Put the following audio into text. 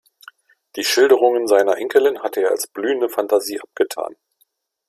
Die Schilderungen seiner Enkelin hatte er als blühende Fantasie abgetan.